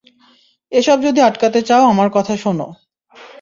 এসব যদি আটকাতে চাও আমার কথা শোন।